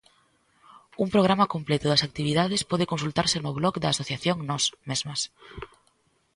Un programa completo das actividades pode consultarse no blog da Asociación Nós Mesmas.